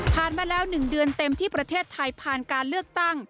มาแล้ว๑เดือนเต็มที่ประเทศไทยผ่านการเลือกตั้ง